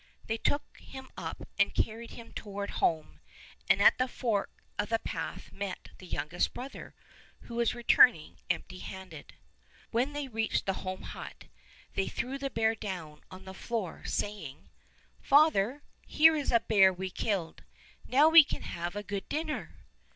They took him up and carried him toward 68 Fairy Tale Bears home, and at the fork of the path met the youngest brother, who was returning empty handed. When they reached the home hut they threw the bear down on the floor saying: "Father, here is a bear we killed. Now we can have a good dinner."